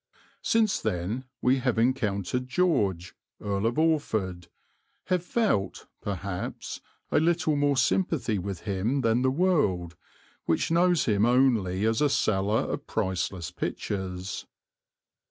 Since then we have encountered George, Earl of Orford, have felt, perhaps, a little more sympathy with him than the world which knows him only as a seller of priceless pictures.